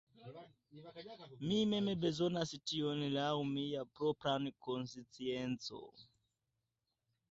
Mi mem bezonas tion laŭ mia propra konscienco.